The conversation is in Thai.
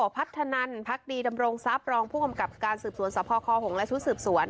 พัทธนันทร์พักดีดำโรงทราบรองผู้กำกับการสืบสวนสอบคอคอหงและชุดสืบสวน